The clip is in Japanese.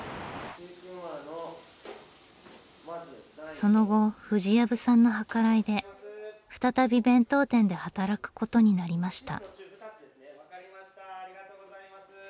その後藤藪さんの計らいで再び弁当店で働くことになりました。